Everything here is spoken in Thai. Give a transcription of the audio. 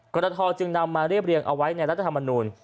กรทจึงนำมาเรียบเรียงเอาไว้ในรัฐธรรมนูล